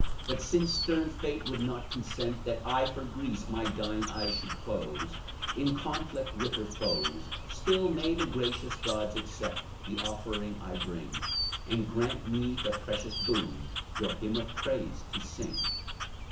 But since stern Fate would not consent That I for Greece my dying eyes should close, In conflict with her foes, Still may the gracious gods accept The offering I bring, And grant to me the precious boon, Your Hymn of Praise to sing!"